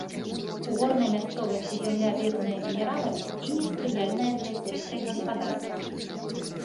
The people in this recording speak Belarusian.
У горнай мясцовасці зямля бедная мінераламі і не спрыяльная для сельскай гаспадаркі.